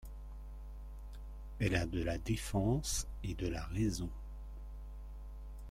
Elle a de la défense et de la raison…